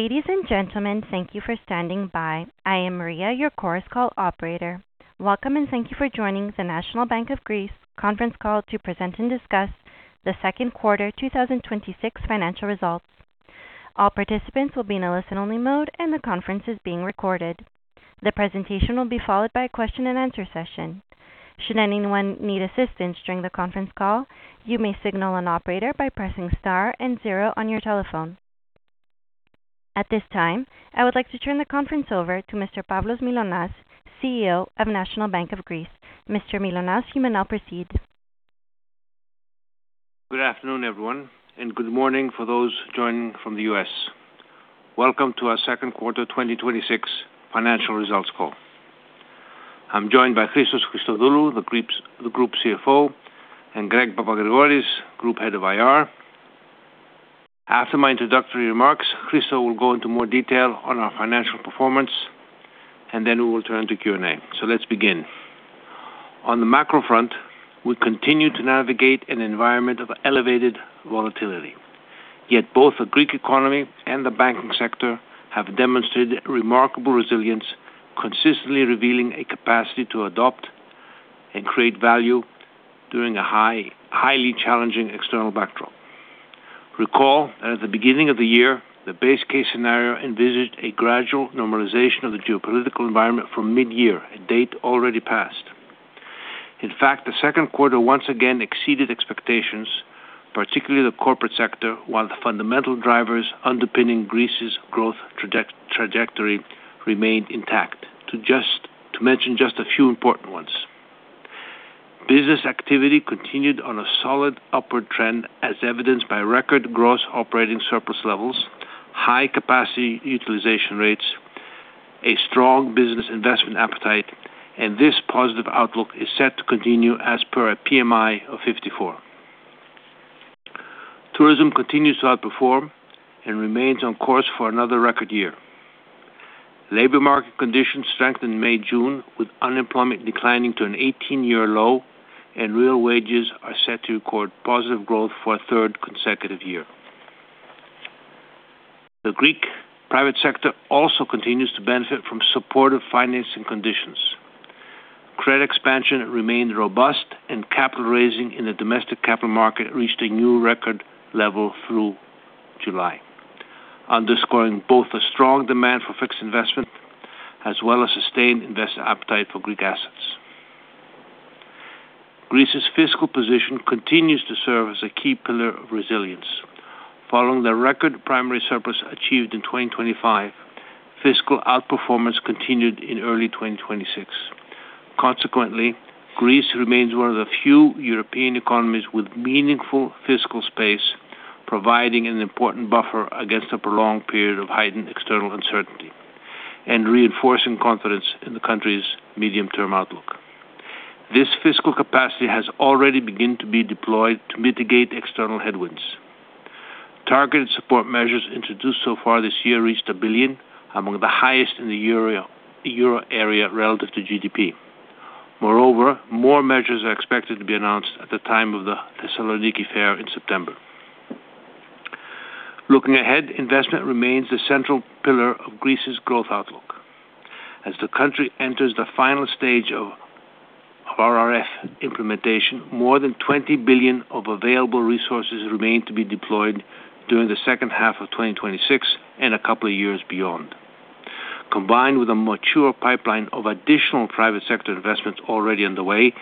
Ladies and gentlemen, thank you for standing by. I am Maria, your Chorus Call operator. Welcome, and thank you for joining the National Bank of Greece Conference Call to present and discuss the Second Quarter 2026 Financial Results. All participants will be in a listen-only mode, and the conference is being recorded. The presentation will be followed by a question-and-answer session. Should anyone need assistance during the conference call, you may signal an operator by pressing star and zero on your telephone. At this time, I would like to turn the conference over to Mr. Pavlos Mylonas, CEO of National Bank of Greece. Mr. Mylonas, you may now proceed. Good afternoon, everyone, and good morning for those joining from the U.S. Welcome to our Second Quarter 2026 Financial Results Call. I am joined by Christos Christodoulou, the Group CFO, and Greg Papagrigoris, Group Head of IR. After my introductory remarks, Christos will go into more detail on our financial performance. Then we will turn to Q&A. Let's begin. On the macro front, we continue to navigate an environment of elevated volatility, yet both the Greek economy and the banking sector have demonstrated remarkable resilience, consistently revealing a capacity to adopt and create value during a highly challenging external backdrop. Recall that at the beginning of the year, the base case scenario envisaged a gradual normalization of the geopolitical environment from mid-year, a date already passed. In fact, the second quarter once again exceeded expectations, particularly the corporate sector, while the fundamental drivers underpinning Greece's growth trajectory remained intact. To mention just a few important ones. Business activity continued on a solid upward trend, as evidenced by record gross operating surplus levels, high capacity utilization rates, a strong business investment appetite, and this positive outlook is set to continue as per a PMI of 54. Tourism continues to outperform and remains on course for another record year. Labor market conditions strengthened in May, June, with unemployment declining to an 18-year low, and real wages are set to record positive growth for a third consecutive year. The Greek private sector also continues to benefit from supportive financing conditions. Credit expansion remained robust, and capital raising in the domestic capital market reached a new record level through July, underscoring both the strong demand for fixed investment, as well as sustained investor appetite for Greek assets. Greece's fiscal position continues to serve as a key pillar of resilience. Following the record primary surplus achieved in 2025, fiscal outperformance continued in early 2026. Consequently, Greece remains one of the few European economies with meaningful fiscal space, providing an important buffer against a prolonged period of heightened external uncertainty and reinforcing confidence in the country's medium-term outlook. This fiscal capacity has already begun to be deployed to mitigate external headwinds. Targeted support measures introduced so far this year reached 1 billion, among the highest in the Euro area relative to GDP. Moreover, more measures are expected to be announced at the time of the Thessaloniki Fair in September. Looking ahead, investment remains the central pillar of Greece's growth outlook. As the country enters the final stage of RRF implementation, more than 20 billion of available resources remain to be deployed during the second half of 2026 and a couple of years beyond. Combined with a mature pipeline of additional private sector investments already underway,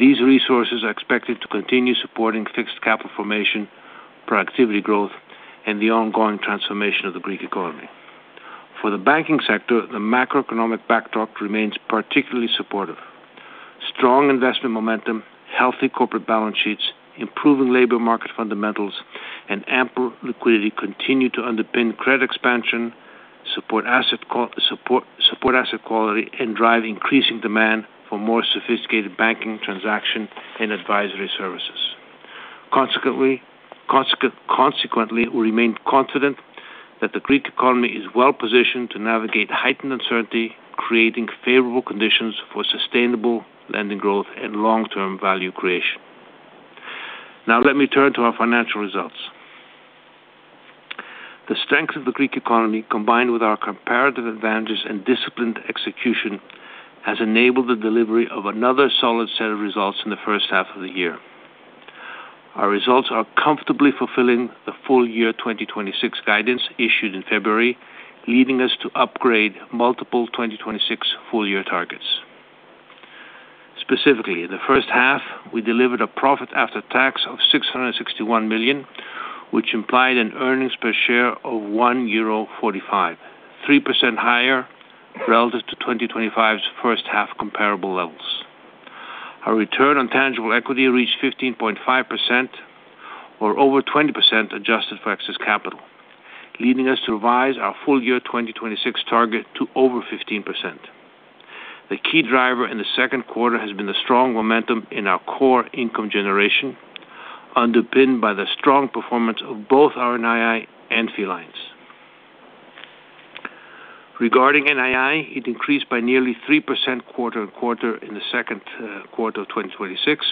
these resources are expected to continue supporting fixed capital formation, productivity growth, and the ongoing transformation of the Greek economy. For the banking sector, the macroeconomic backdrop remains particularly supportive. Strong investment momentum, healthy corporate balance sheets, improving labor market fundamentals, and ample liquidity continue to underpin credit expansion, support asset quality, and drive increasing demand for more sophisticated banking, transaction, and advisory services. Consequently, we remain confident that the Greek economy is well positioned to navigate heightened uncertainty, creating favorable conditions for sustainable lending growth and long-term value creation. Now, let me turn to our financial results. The strength of the Greek economy, combined with our comparative advantages and disciplined execution, has enabled the delivery of another solid set of results in the first half of the year. Our results are comfortably fulfilling the full-year 2026 guidance issued in February, leading us to upgrade multiple 2026 full-year targets. Specifically, in the first half, we delivered a profit after tax of 661 million, which implied an earnings per share of 1.45 euro, 3% higher relative to 2025's first half comparable levels. Our return on tangible equity reached 15.5%, or over 20% adjusted for excess capital, leading us to revise our full year 2026 target to over 15%. The key driver in the second quarter has been the strong momentum in our core income generation, underpinned by the strong performance of both our NII and fee lines. Regarding NII, it increased by nearly 3% quarter-on-quarter in the second quarter of 2026,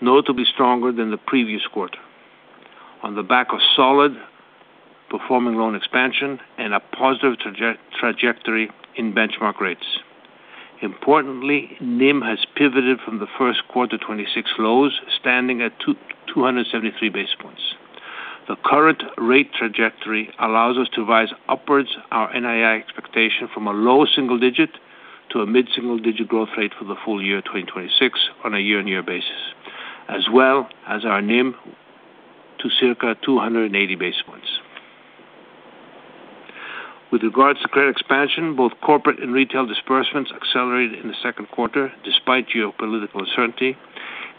notably stronger than the previous quarter, on the back of solid performing loan expansion and a positive trajectory in benchmark rates. Importantly, NIM has pivoted from the first quarter 2026 lows, standing at 273 basis points. The current rate trajectory allows us to raise upwards our NII expectation from a low single-digit to a mid-single-digit growth rate for the full year 2026 on a year-on-year basis, as well as our NIM to circa 280 basis points. With regards to credit expansion, both corporate and retail disbursements accelerated in the second quarter despite geopolitical uncertainty,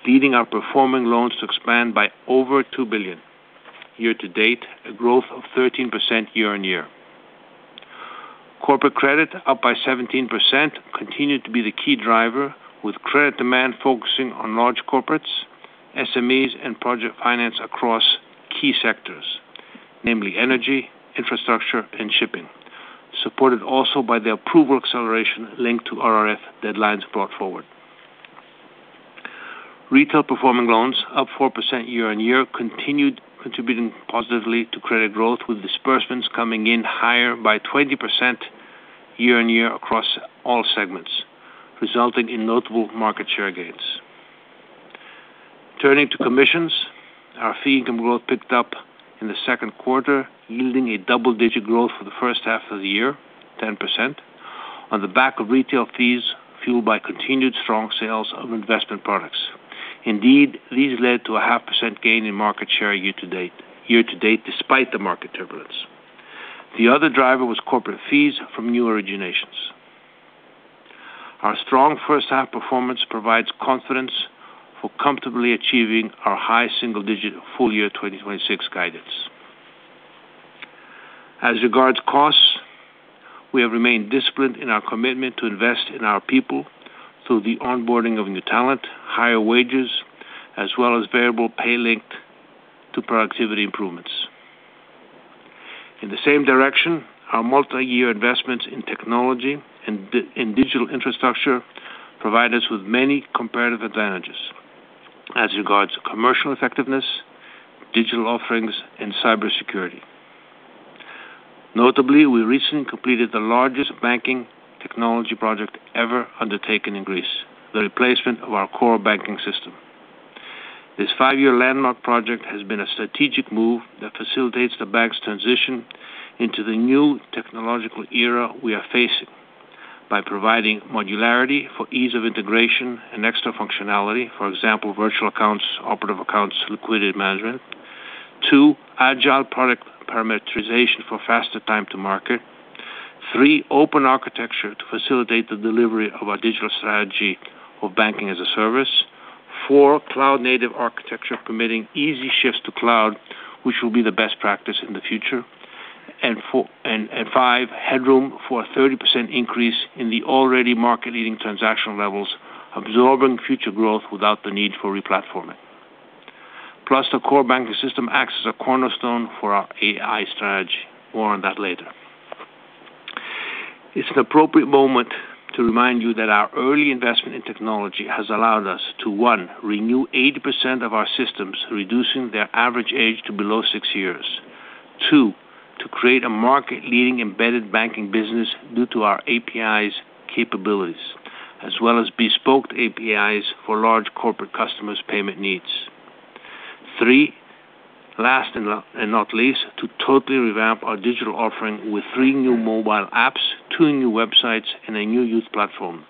leading our performing loans to expand by over 2 billion year-to-date, a growth of 13% year-on-year. Corporate credit up by 17%, continued to be the key driver, with credit demand focusing on large corporates, SMEs, and project finance across key sectors, namely energy, infrastructure, and shipping, supported also by the approval acceleration linked to RRF deadlines brought forward. Retail performing loans up 4% year-on-year, continued contributing positively to credit growth, with disbursements coming in higher by 20% year-on-year across all segments, resulting in notable market share gains. Turning to commissions, our fee income growth picked up in the second quarter, yielding double-digit growth for the first half of the year, 10%, on the back of retail fees fueled by continued strong sales of investment products. Indeed, these led to a 0.5% gain in market share year-to-date despite the market turbulence. The other driver was corporate fees from new originations. Our strong first-half performance provides confidence for comfortably achieving our high single-digit full-year 2026 guidance. As regards costs, we have remained disciplined in our commitment to invest in our people through the onboarding of new talent, higher wages, as well as variable pay linked to productivity improvements. In the same direction, our multi-year investments in technology and in digital infrastructure provide us with many comparative advantages as regards commercial effectiveness, digital offerings, and cybersecurity. Notably, we recently completed the largest banking technology project ever undertaken in Greece, the replacement of our core banking system. This five-year landmark project has been a strategic move that facilitates the bank's transition into the new technological era we are facing by providing modularity for ease of integration and extra functionality. For example, virtual accounts, operative accounts, liquidity management. Two, agile product parameterization for faster time to market. Three, open architecture to facilitate the delivery of our digital strategy of banking as a service. Four, cloud native architecture permitting easy shifts to cloud, which will be the best practice in the future. Five, headroom for a 30% increase in the already market-leading transactional levels, absorbing future growth without the need for replatforming. Plus, the core banking system acts as a cornerstone for our AI strategy. More on that later. It's an appropriate moment to remind you that our early investment in technology has allowed us to, one, renew 80% of our systems, reducing their average age to below six years. Two, to create a market-leading embedded banking business due to our APIs capabilities, as well as bespoke APIs for large corporate customers payment needs. Three, last and not least, to totally revamp our digital offering with three new mobile apps, two new websites, and a new youth platform,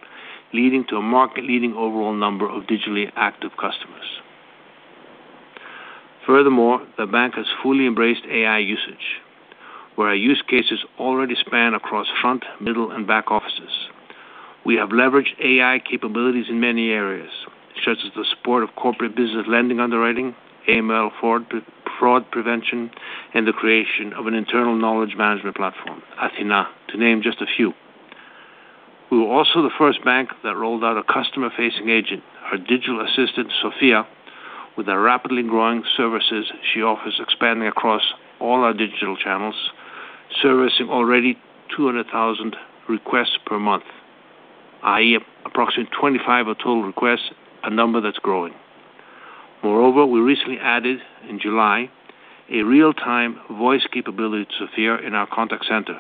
leading to a market-leading overall number of digitally active customers. Furthermore, the bank has fully embraced AI usage, where our use cases already span across front, middle, and back offices. We have leveraged AI capabilities in many areas, such as the support of corporate business lending underwriting, AML fraud prevention, and the creation of an internal knowledge management platform, Athena, to name just a few. We were also the first bank that rolled out a customer-facing agent, our digital assistant, Sofia, with the rapidly growing services she offers expanding across all our digital channels, servicing already 200,000 requests per month, i.e., approximately 25% of total requests, a number that's growing. Moreover, we recently added in July a real-time voice capability to Sofia in our contact center,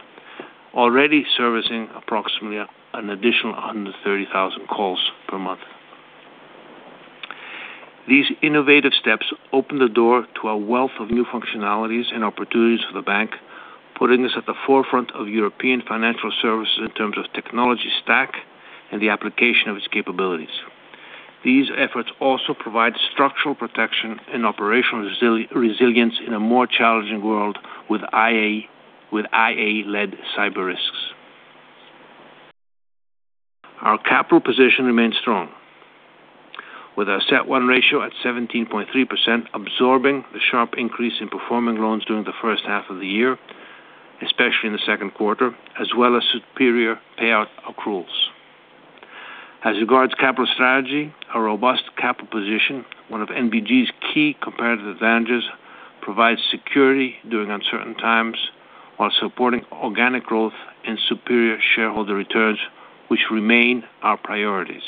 already servicing approximately an additional 130,000 calls per month. These innovative steps open the door to a wealth of new functionalities and opportunities for the bank, putting us at the forefront of European financial services in terms of technology stack and the application of its capabilities. These efforts also provide structural protection and operational resilience in a more challenging world with AI-led cyber risks. Our capital position remains strong, with our CET1 ratio at 17.3%, absorbing the sharp increase in performing loans during the first half of the year, especially in the second quarter, as well as superior payout accruals. As regards capital strategy, a robust capital position, one of NBG's key competitive advantages, provides security during uncertain times, while supporting organic growth and superior shareholder returns, which remain our priorities.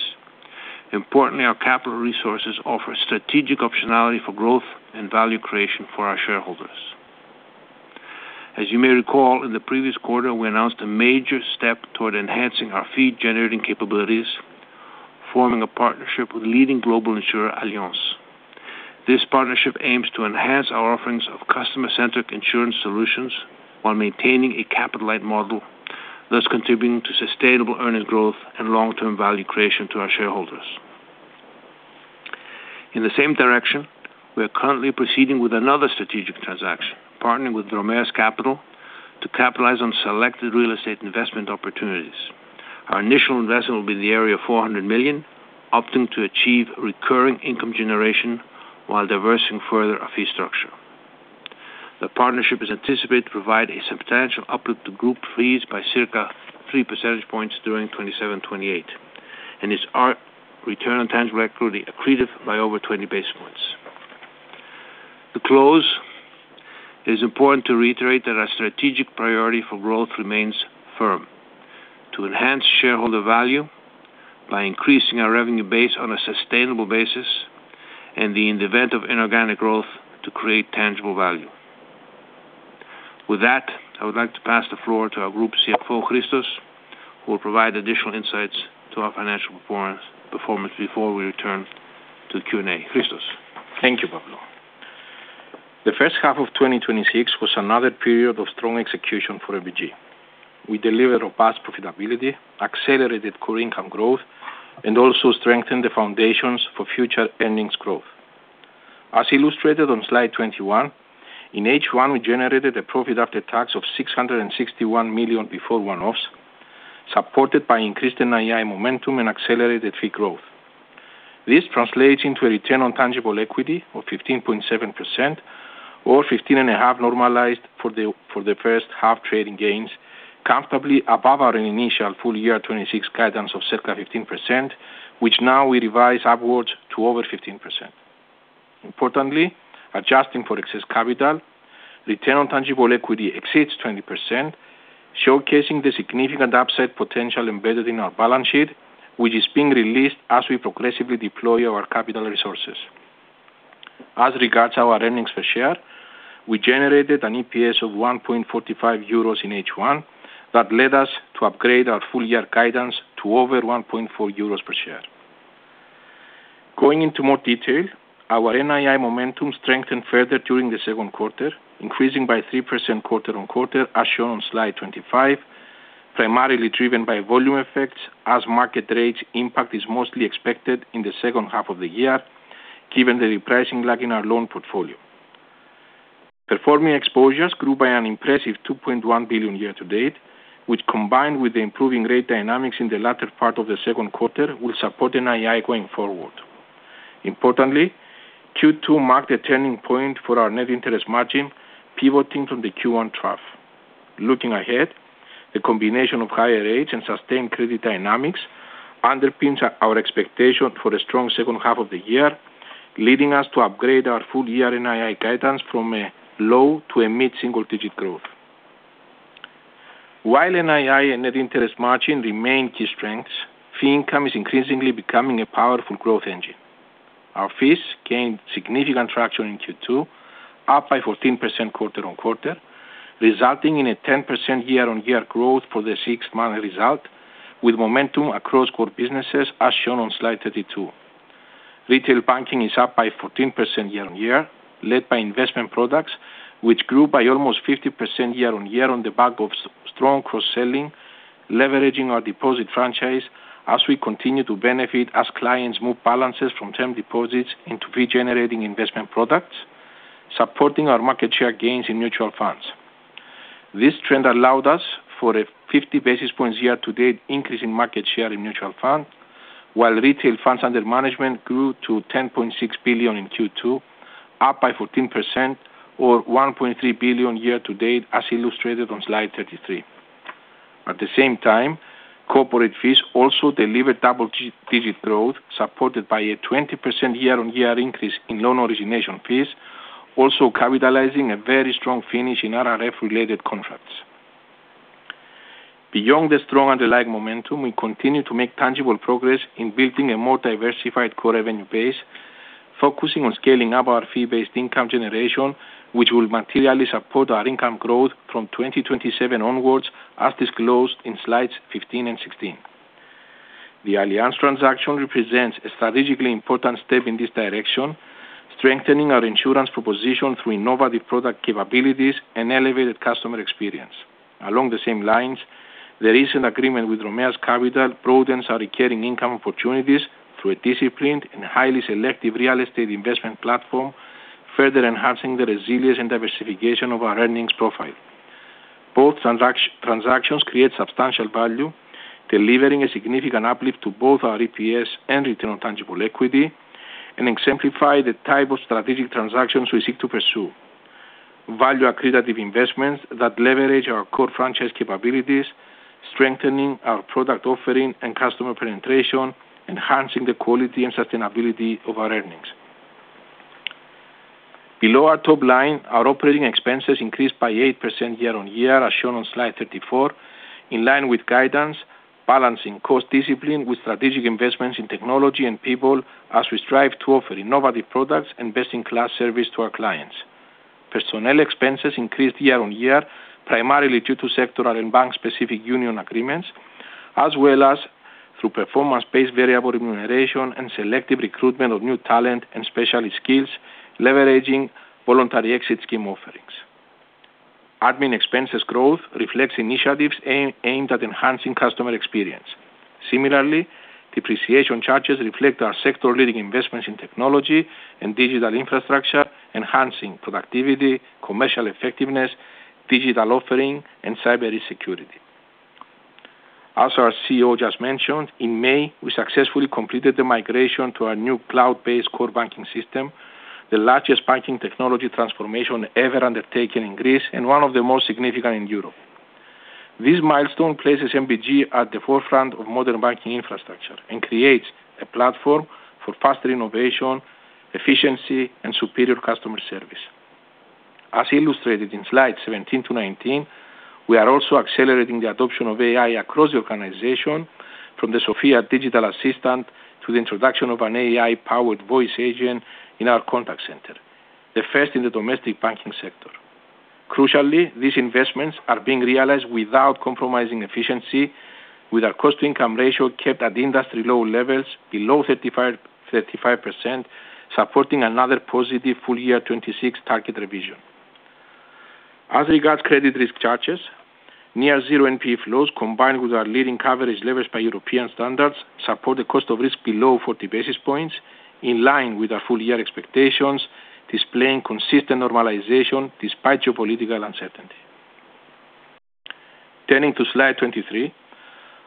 Importantly, our capital resources offer strategic optionality for growth and value creation for our shareholders. As you may recall, in the previous quarter, we announced a major step toward enhancing our fee-generating capabilities, forming a partnership with leading global insurer Allianz. This partnership aims to enhance our offerings of customer-centric insurance solutions while maintaining a capital-light model, thus contributing to sustainable earnings growth and long-term value creation to our shareholders. In the same direction, we are currently proceeding with another strategic transaction, partnering with Dromeus Capital to capitalize on selected real estate investment opportunities. Our initial investment will be in the area of 400 million, opting to achieve recurring income generation while diversifying further our fee structure. The partnership is anticipated to provide a substantial uplift to group fees by circa 3 percentage points during 2027, 2028, and is our return on tangible equity accretive by over 20 basis points. To close, it is important to reiterate that our strategic priority for growth remains firm, to enhance shareholder value by increasing our revenue base on a sustainable basis, and in the event of inorganic growth, to create tangible value. With that, I would like to pass the floor to our group CFO, Christos, who will provide additional insights to our financial performance before we return to the Q&A. Christos. Thank you, Pavlos. The first half of 2026 was another period of strong execution for NBG. We delivered robust profitability, accelerated core income growth, and also strengthened the foundations for future earnings growth. As illustrated on slide 21, in H1, we generated a profit after tax of 661 million before one-offs, supported by increased NII momentum and accelerated fee growth. This translates into a return on tangible equity of 15.7% or 15.5% normalized for the first half trading gains, comfortably above our initial full year 2026 guidance of circa 15%, which now we revise upwards to over 15%. Importantly, adjusting for excess capital, return on tangible equity exceeds 20%, showcasing the significant upside potential embedded in our balance sheet, which is being released as we progressively deploy our capital resources. As regards our earnings per share, we generated an EPS of 1.45 euros in H1 that led us to upgrade our full year guidance to over 1.4 euros per share. Going into more detail, our NII momentum strengthened further during the second quarter, increasing by 3% quarter-on-quarter, as shown on slide 25, primarily driven by volume effects as market rates impact is mostly expected in the second half of the year, given the repricing lag in our loan portfolio. Performing exposures grew by an impressive 2.1 billion year to date, which combined with the improving rate dynamics in the latter part of the second quarter, will support NII going forward. Importantly, Q2 marked a turning point for our net interest margin, pivoting from the Q1 trough. Looking ahead, the combination of higher rates and sustained credit dynamics underpins our expectation for a strong second half of the year, leading us to upgrade our full-year NII guidance from a low to a mid-single-digit growth. While NII and net interest margin remain key strengths, fee income is increasingly becoming a powerful growth engine. Our fees gained significant traction in Q2, up by 14% quarter-on-quarter, resulting in a 10% year-on-year growth for the six-month result, with momentum across core businesses as shown on slide 32. Retail banking is up by 14% year-on-year, led by investment products, which grew by almost 50% year-on-year on the back of strong cross-selling, leveraging our deposit franchise as we continue to benefit as clients move balances from term deposits into fee-generating investment products, supporting our market share gains in mutual funds. This trend allowed us for a 50 basis points year-to-date increase in market share in mutual fund, while retail funds under management grew to 10.6 billion in Q2, up by 14% or 1.3 billion year-to-date, as illustrated on slide 33. At the same time, corporate fees also delivered double-digit growth, supported by a 20% year-on-year increase in loan origination fees, also capitalizing a very strong finish in RRF-related contracts. Beyond the strong underlying momentum, we continue to make tangible progress in building a more diversified core revenue base, focusing on scaling up our fee-based income generation, which will materially support our income growth from 2027 onwards as disclosed in slides 15 and 16. The Allianz transaction represents a strategically important step in this direction, strengthening our insurance proposition through innovative product capabilities and elevated customer experience. Along the same lines, the recent agreement with Dromeus Capital broadens our recurring income opportunities through a disciplined and highly selective real estate investment platform, further enhancing the resilience and diversification of our earnings profile. Both transactions create substantial value, delivering a significant uplift to both our EPS and return on tangible equity, and exemplify the type of strategic transactions we seek to pursue. Value-accretive investments that leverage our core franchise capabilities, strengthening our product offering and customer penetration, enhancing the quality and sustainability of our earnings. Below our top line, our operating expenses increased by 8% year-on-year, as shown on slide 34, in line with guidance, balancing cost discipline with strategic investments in technology and people as we strive to offer innovative products and best-in-class service to our clients. Personnel expenses increased year-on-year, primarily due to sectoral and bank-specific union agreements, as well as through performance-based variable remuneration and selective recruitment of new talent and specialist skills, leveraging voluntary exit scheme offerings. Admin expenses growth reflects initiatives aimed at enhancing customer experience. Similarly, depreciation charges reflect our sector-leading investments in technology and digital infrastructure, enhancing productivity, commercial effectiveness, digital offering, and cybersecurity. As our CEO just mentioned, in May, we successfully completed the migration to our new cloud-based core banking system, the largest banking technology transformation ever undertaken in Greece, and one of the most significant in Europe. This milestone places NBG at the forefront of modern banking infrastructure and creates a platform for faster innovation, efficiency, and superior customer service. As illustrated in slides 17 to 19, we are also accelerating the adoption of AI across the organization, from the Sofia digital assistant to the introduction of an AI-powered voice agent in our contact center, the first in the domestic banking sector. Crucially, these investments are being realized without compromising efficiency, with our cost-to-income ratio kept at industry-low levels below 35%, supporting another positive full-year 2026 target revision. As regards credit risk charges, near zero NPE flows, combined with our leading coverage levels by European standards, support the cost of risk below 40 basis points, in line with our full-year expectations, displaying consistent normalization despite geopolitical uncertainty. Turning to slide 23,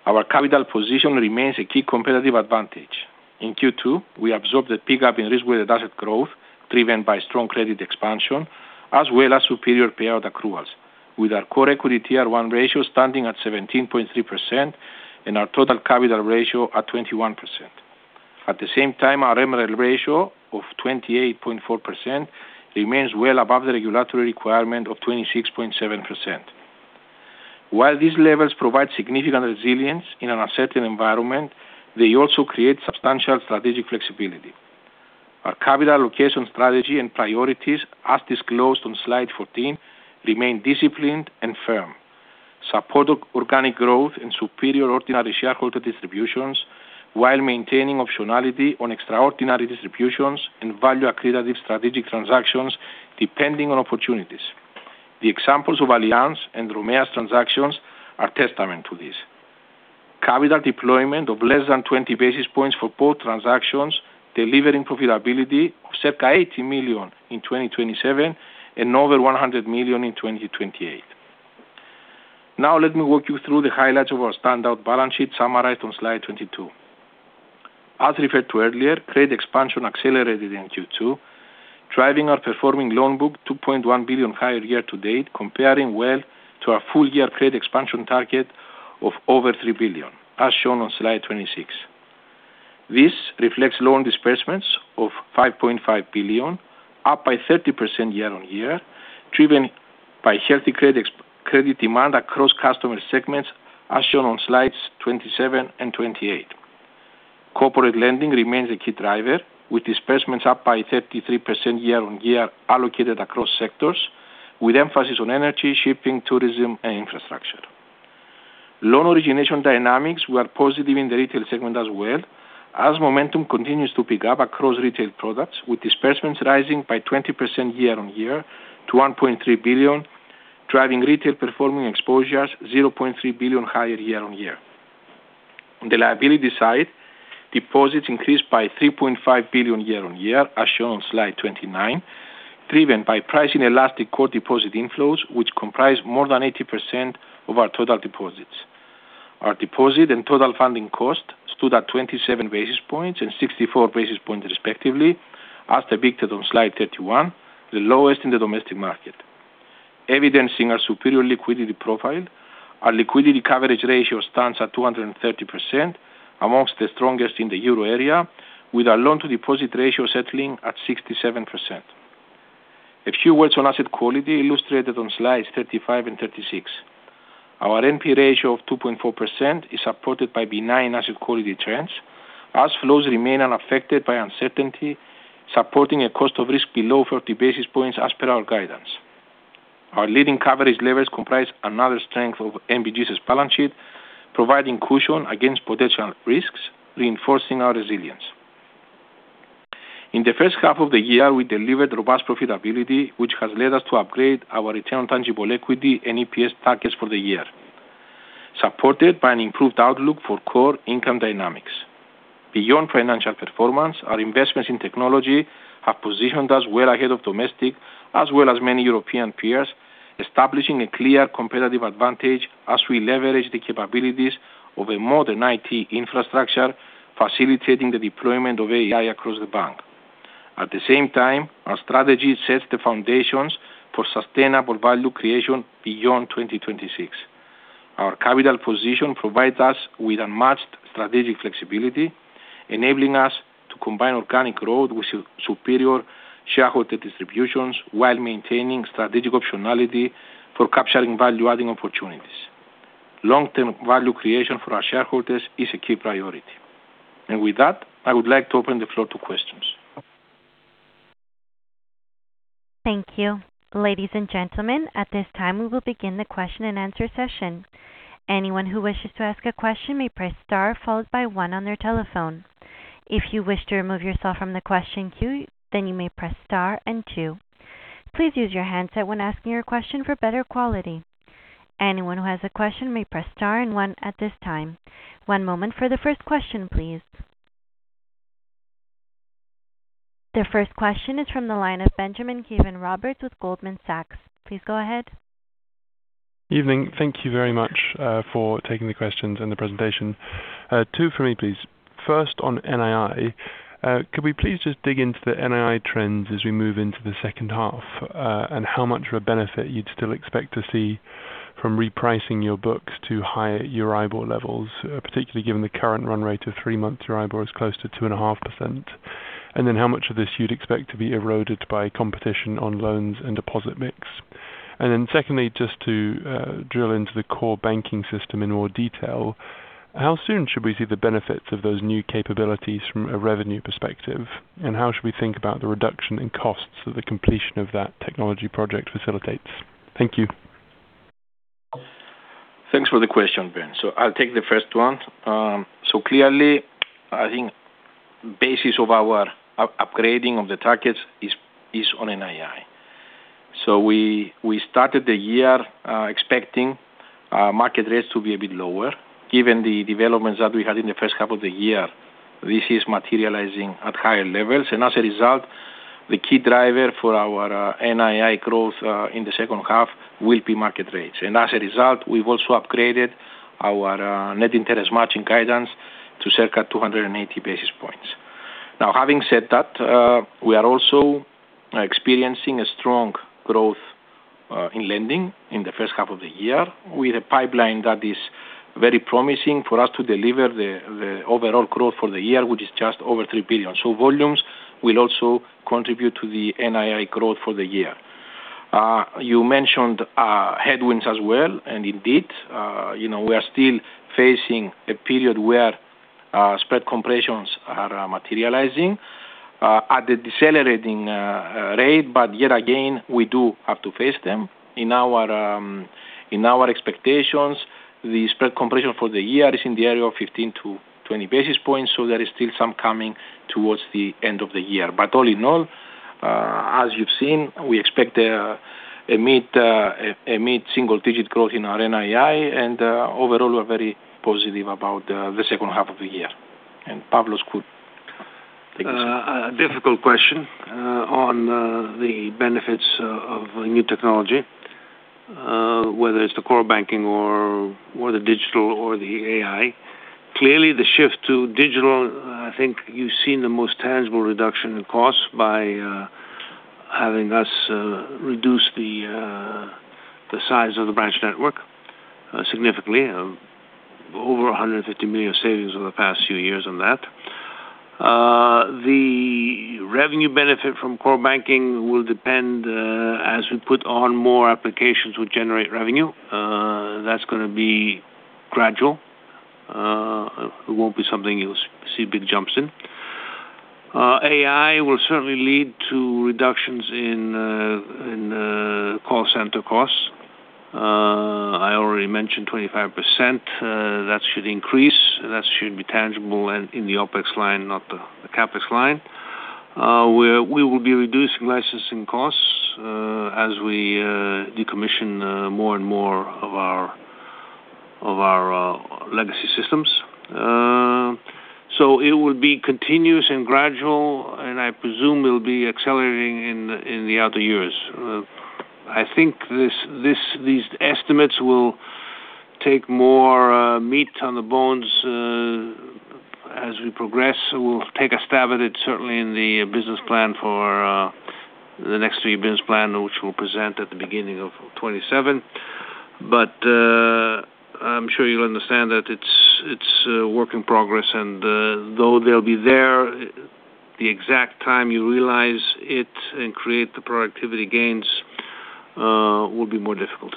our capital position remains a key competitive advantage. In Q2, we absorbed the pickup in risk-weighted asset growth, driven by strong credit expansion, as well as superior payout accruals, with our core Common Equity Tier 1 ratio standing at 17.3% and our total capital ratio at 21%. At the same time, our MREL ratio of 28.4% remains well above the regulatory requirement of 26.7%. While these levels provide significant resilience in an uncertain environment, they also create substantial strategic flexibility. Our capital allocation strategy and priorities, as disclosed on slide 14, remain disciplined and firm, support organic growth and superior ordinary shareholder distributions, while maintaining optionality on extraordinary distributions and value-accretive strategic transactions depending on opportunities. The examples of Allianz and Dromeus transactions are testament to this. Capital deployment of less than 20 basis points for both transactions, delivering profitability of circa 80 million in 2027 and over 100 million in 2028. Let me walk you through the highlights of our standout balance sheet summarized on slide 22. As referred to earlier, credit expansion accelerated in Q2, driving our performing loan book 2.1 billion higher year to date, comparing well to our full-year credit expansion target of over 3 billion, as shown on slide 26. This reflects loan disbursements of 5.5 billion, up by 30% year-on-year, driven by healthy credit demand across customer segments, as shown on slides 27 and 28. Corporate lending remains a key driver, with disbursements up by 33% year-on-year allocated across sectors, with emphasis on energy, shipping, tourism, and infrastructure. Loan origination dynamics were positive in the retail segment as well, as momentum continues to pick up across retail products, with disbursements rising by 20% year-on-year to 1.3 billion, driving retail performing exposures 0.3 billion higher year-on-year. On the liability side, deposits increased by 3.5 billion year-on-year, as shown on slide 29, driven by pricing-elastic core deposit inflows, which comprise more than 80% of our total deposits. Our deposit and total funding cost stood at 27 basis points and 64 basis points, respectively, as depicted on slide 31, the lowest in the domestic market. Evidencing our superior liquidity profile, our liquidity coverage ratio stands at 230%, amongst the strongest in the Euro area, with our loan-to-deposit ratio settling at 67%. A few words on asset quality illustrated on slides 35 and 36. Our NPE ratio of 2.4% is supported by benign asset quality trends, as flows remain unaffected by uncertainty, supporting a cost of risk below 40 basis points as per our guidance. Our leading coverage levels comprise another strength of NBG's balance sheet, providing cushion against potential risks, reinforcing our resilience. In the first half of the year, we delivered robust profitability, which has led us to upgrade our return on tangible equity and EPS targets for the year, supported by an improved outlook for core income dynamics. Beyond financial performance, our investments in technology have positioned us well ahead of domestic as well as many European peers. Establishing a clear competitive advantage as we leverage the capabilities of a modern IT infrastructure, facilitating the deployment of AI across the bank. At the same time, our strategy sets the foundations for sustainable value creation beyond 2026. Our capital position provides us with unmatched strategic flexibility, enabling us to combine organic growth with superior shareholder distributions while maintaining strategic optionality for capturing value-adding opportunities. Long-term value creation for our shareholders is a key priority. With that, I would like to open the floor to questions. Thank you. Ladies and gentlemen, at this time, we will begin the question and answer session. Anyone who wishes to ask a question may press star followed by one on their telephone. If you wish to remove yourself from the question queue, then you may press star and two. Please use your handset when asking your question for better quality. Anyone who has a question may press star and one at this time. One moment for the first question, please. The first question is from the line of Benjamin Caven-Roberts with Goldman Sachs. Please go ahead. Evening. Thank you very much for taking the questions and the presentation. Two for me, please. First on NII. Could we please just dig into the NII trends as we move into the second half? How much of a benefit you'd still expect to see from repricing your books to higher Euribor levels, particularly given the current run rate of three months, Euribor is close to 2.5%? How much of this you'd expect to be eroded by competition on loans and deposit mix? Secondly, just to drill into the core banking system in more detail. How soon should we see the benefits of those new capabilities from a revenue perspective? How should we think about the reduction in costs that the completion of that technology project facilitates? Thank you. Thanks for the question, Ben. I'll take the first one. Clearly, I think the basis of our upgrading of the targets is on NII. We started the year expecting market rates to be a bit lower. Given the developments that we had in the first half of the year, this is materializing at higher levels. As a result, the key driver for our NII growth in the second half will be market rates. As a result, we've also upgraded our net interest margin guidance to circa 280 basis points. Having said that, we are also experiencing a strong growth in lending in the first half of the year with a pipeline that is very promising for us to deliver the overall growth for the year, which is just over 3 billion. Volumes will also contribute to the NII growth for the year. Indeed, we are still facing a period where spread compressions are materializing at a decelerating rate. Yet again, we do have to face them. In our expectations, the spread compression for the year is in the area of 15 to 20 basis points. There is still some coming towards the end of the year. All in all, as you've seen, we expect a mid-single-digit growth in our NII, and overall, we're very positive about the second half of the year. Pavlos could take this. A difficult question on the benefits of new technology, whether it's the core banking or the digital or the AI. Clearly, the shift to digital, I think you've seen the most tangible reduction in costs by having us reduce the size of the branch network significantly, over 150 million savings over the past few years on that. The revenue benefit from core banking will depend as we put on more applications, we generate revenue. That's going to be gradual. It won't be something you'll see big jumps in. AI will certainly lead to reductions in call center costs. I already mentioned 25%. That should increase, that should be tangible and in the OpEx line, not the CapEx line. We will be reducing licensing costs as we decommission more and more of our legacy systems. It will be continuous and gradual. I presume it will be accelerating in the outer years. I think these estimates will take more meat on the bones as we progress. We'll take a stab at it, certainly in the business plan for the next three business plan, which we'll present at the beginning of 2027. I'm sure you'll understand that it's a work in progress. Though they'll be there, the exact time you realize it and create the productivity gains will be more difficult.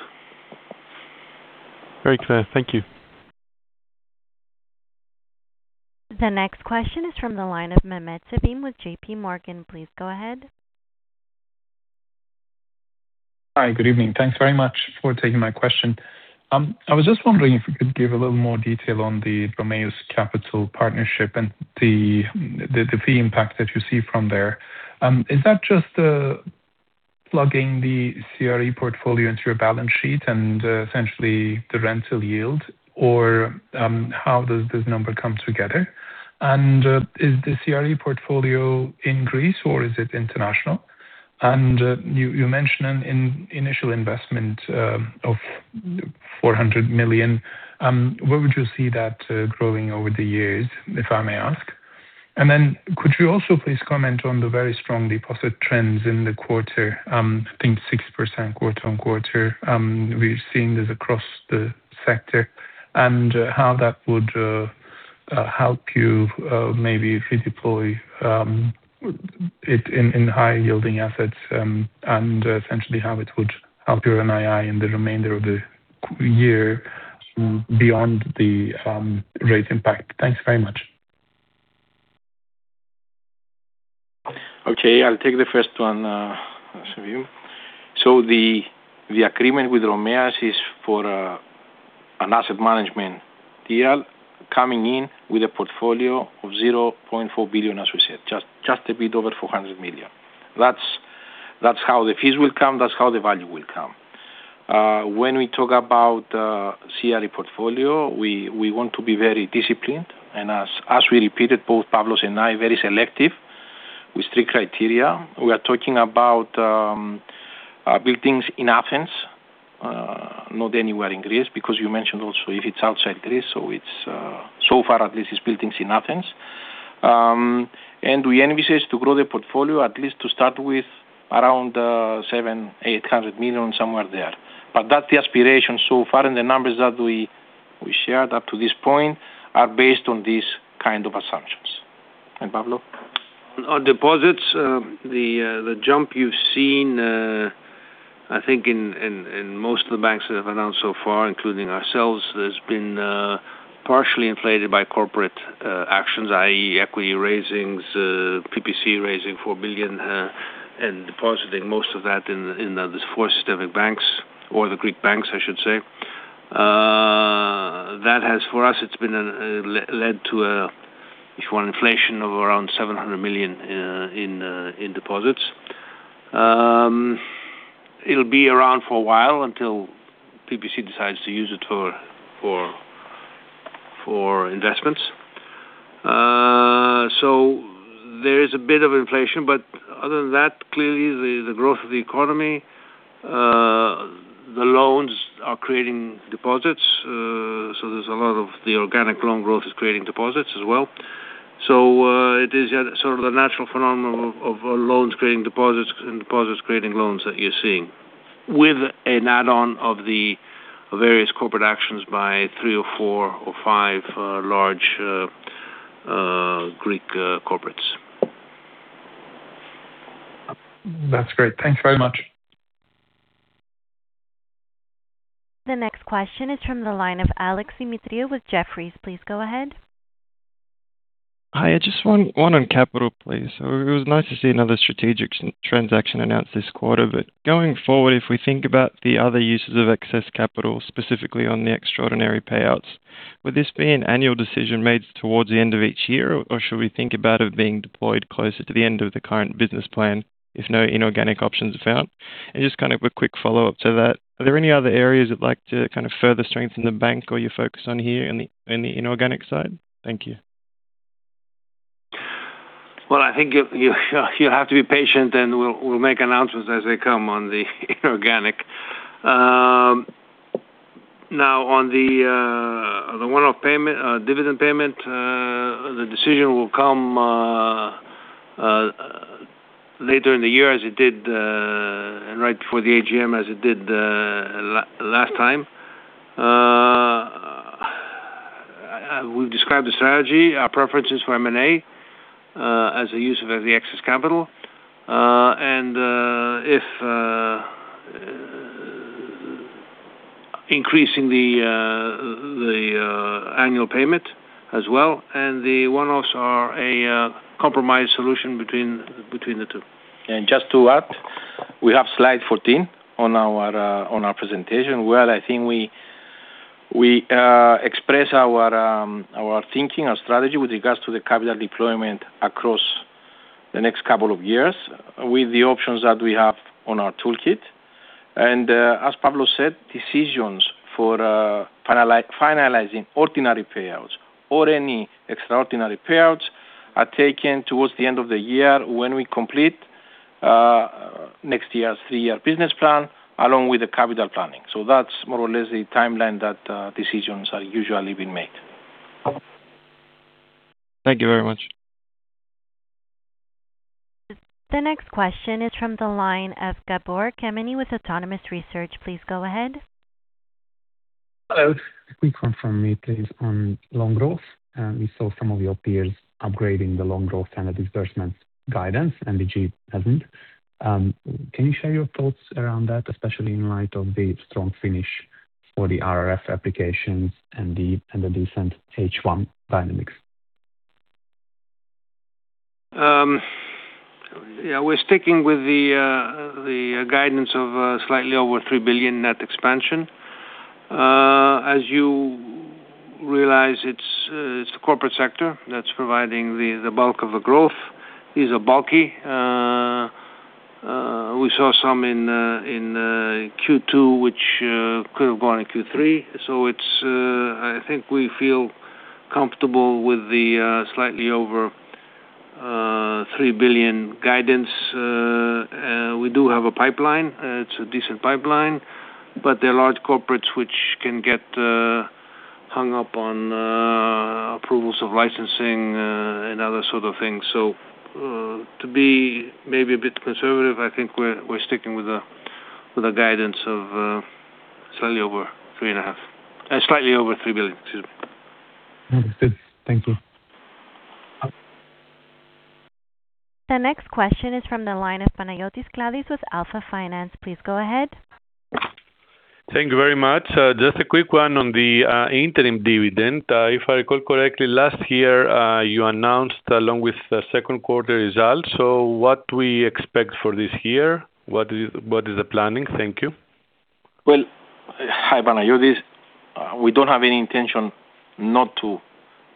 Very clear. Thank you. The next question is from the line of Mehmet Sevim with JPMorgan. Please go ahead. Hi, good evening. Thanks very much for taking my question. I was just wondering if we could give a little more detail on the Dromeus Capital partnership and the fee impact that you see from there. Is that just plugging the CRE portfolio into your balance sheet and essentially the rental yield, or how does this number come together? Is the CRE portfolio in Greece or is it international? You mentioned an initial investment of 400 million. Where would you see that growing over the years, if I may ask? Could you also please comment on the very strong deposit trends in the quarter, I think 6% quarter-over-quarter, we've seen this across the sector, and how that would help you maybe redeploy it in high-yielding assets and essentially how it would help your NII in the remainder of the year beyond the rate impact? Thanks very much. Okay, I'll take the first one, Sevim. The agreement with Dromeus is for an asset management deal coming in with a portfolio of 0.4 billion, as we said, just a bit over 400 million. That's how the fees will come. That's how the value will come. When we talk about CRE portfolio, we want to be very disciplined, and as we repeated, both Pavlos and I, very selective with strict criteria. We are talking about buildings in Athens, not anywhere in Greece, because you mentioned also if it's outside Greece, so far at least it's buildings in Athens. We envisage to grow the portfolio, at least to start with around 700 million-800 million, somewhere there. That's the aspiration. So far, the numbers that we shared up to this point are based on these kind of assumptions. Pavlos? On deposits, the jump you've seen, I think in most of the banks that have announced so far, including ourselves, has been partially inflated by corporate actions, i.e., equity raisings, PPC raising 4 billion and depositing most of that in the four systemic banks or the Greek banks, I should say. That has, for us, it's led to, if you want, inflation of around 700 million in deposits. It'll be around for a while until PPC decides to use it for investments. There is a bit of inflation, but other than that, clearly the growth of the economy, the loans are creating deposits. There's a lot of the organic loan growth is creating deposits as well. It is yet sort of the natural phenomenon of loans creating deposits and deposits creating loans that you're seeing with an add-on of the various corporate actions by three or four or five large Greek corporates. That's great. Thanks very much. The next question is from the line of Alex Demetriou with Jefferies. Please go ahead. Hi, just one on capital, please. It was nice to see another strategic transaction announced this quarter. Going forward, if we think about the other uses of excess capital, specifically on the extraordinary payouts, would this be an annual decision made towards the end of each year? Should we think about it being deployed closer to the end of the current business plan, if no inorganic options are found? Just a quick follow-up to that, are there any other areas you'd like to further strengthen the bank or your focus on here in the inorganic side? Thank you. Well, I think you have to be patient. We'll make announcements as they come on the inorganic. On the one-off payment, dividend payment, the decision will come later in the year, right before the AGM, as it did last time. We've described the strategy, our preferences for M&A as a use of the excess capital, if increasing the annual payment as well. The one-offs are a compromise solution between the two. Just to add, we have slide 14 on our presentation, where I think we express our thinking, our strategy with regards to the capital deployment across the next couple of years with the options that we have on our toolkit. As Pavlos said, decisions for finalizing ordinary payouts or any extraordinary payouts are taken towards the end of the year when we complete next year's three-year business plan, along with the capital planning. That's more or less the timeline that decisions are usually being made. Thank you very much. The next question is from the line of Gabor Kemeny with Autonomous Research. Please go ahead. Hello. A quick one from me, please, on loan growth. We saw some of your peers upgrading the loan growth and the disbursements guidance, NBG hasn't. Can you share your thoughts around that, especially in light of the strong finish for the RRF applications and the decent H1 dynamics? Yeah. We're sticking with the guidance of slightly over 3 billion net expansion. As you realize, it's the corporate sector that's providing the bulk of the growth. These are bulky. We saw some in Q2, which could have gone in Q3. I think we feel comfortable with the slightly over 3 billion guidance. We do have a pipeline, it's a decent pipeline, but there are large corporates which can get hung up on approvals of licensing and other sort of things. To be maybe a bit conservative, I think we're sticking with a guidance of slightly over 3.5 billion, slightly over 3 billion, excuse me. That's good. Thank you. The next question is from the line of Panagiotis Kladis with Alpha Finance. Please go ahead. Thank you very much. Just a quick one on the interim dividend. If I recall correctly, last year, you announced along with the second quarter results. What we expect for this year, what is the planning? Thank you. Well, hi, Panagiotis. We don't have any intention not to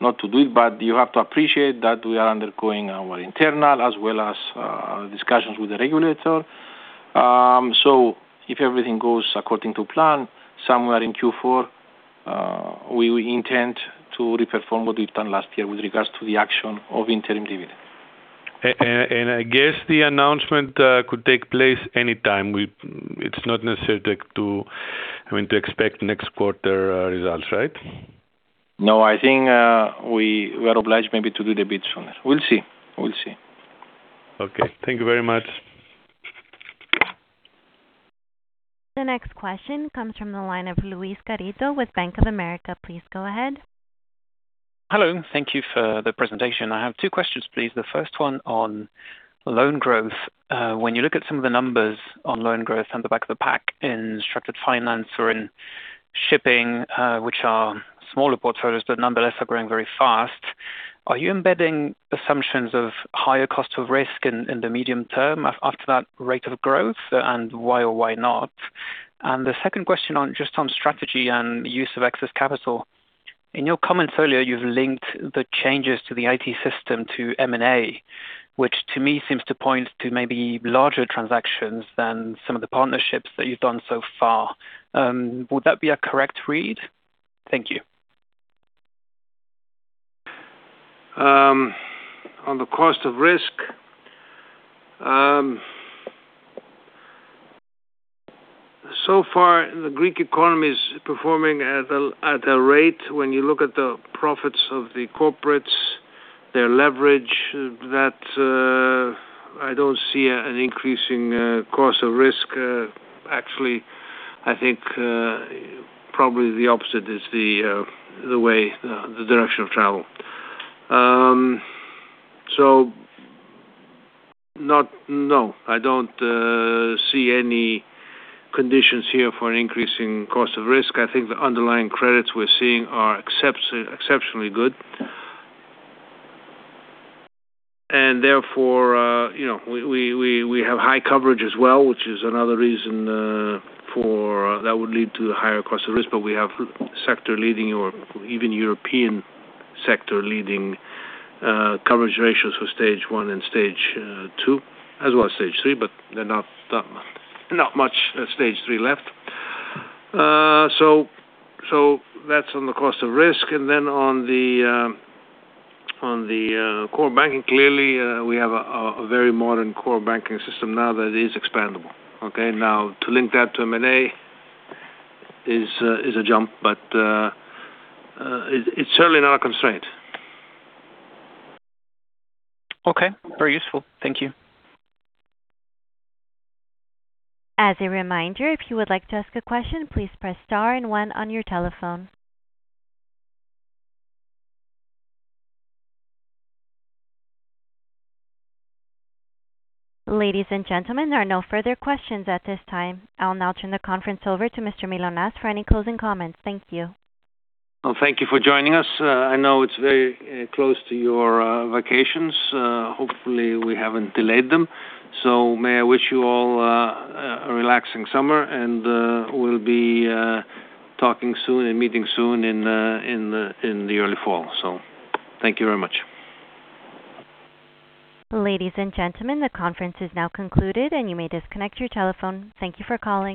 do it, but you have to appreciate that we are undergoing our internal as well as discussions with the regulator. If everything goes according to plan, somewhere in Q4, we will intend to reperform what we've done last year with regards to the action of interim dividend. I guess the announcement could take place anytime. It's not necessary to expect next quarter results, right? No, I think we are obliged maybe to do it a bit sooner. We'll see. Okay. Thank you very much. The next question comes from the line of Luis Garrido with Bank of America. Please go ahead. Hello. Thank you for the presentation. I have two questions, please. The first one on loan growth. When you look at some of the numbers on loan growth on the back of the pack in structured finance or in shipping, which are smaller portfolios, but nonetheless, are growing very fast, are you embedding assumptions of higher cost of risk in the medium term after that rate of growth, and why or why not? The second question just on strategy and use of excess capital. In your comments earlier, you've linked the changes to the IT system to M&A, which to me seems to point to maybe larger transactions than some of the partnerships that you've done so far. Would that be a correct read? Thank you. On the cost of risk, so far the Greek economy is performing at a rate when you look at the profits of the corporates, their leverage, that I don't see an increasing cost of risk. Actually, I think probably the opposite is the direction of travel. No, I don't see any conditions here for an increasing cost of risk. I think the underlying credits we're seeing are exceptionally good. Therefore, we have high coverage as well, which is another reason that would lead to the higher cost of risk, but we have sector-leading or even European sector-leading coverage ratios for Stage 1 and Stage 2, as well as Stage 3, but there's not much Stage 3 left. That's on the cost of risk. Then on the core banking, clearly, we have a very modern core banking system now that is expandable, okay? Now, to link that to M&A is a jump, but it's certainly not a constraint. Okay. Very useful. Thank you. As a reminder, if you would like to ask a question, please press star and one on your telephone. Ladies and gentlemen, there are no further questions at this time. I'll now turn the conference over to Mr. Mylonas for any closing comments. Thank you. Well, thank you for joining us. I know it's very close to your vacations. Hopefully, we haven't delayed them. May I wish you all a relaxing summer, and we'll be talking soon and meeting soon in the early fall. Thank you very much. Ladies and gentlemen, the conference is now concluded, and you may disconnect your telephone. Thank you for calling.